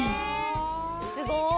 すごい。